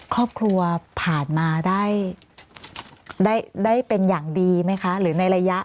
ครอบครัวผ่านมาได้ได้เป็นอย่างดีไหมคะหรือในระยะ